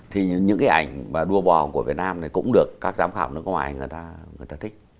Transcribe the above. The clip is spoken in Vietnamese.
thì những cái ảnh đua bò của việt nam này cũng được các giám khảo nước ngoài người ta người ta thích